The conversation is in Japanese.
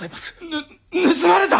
ぬ盗まれた！？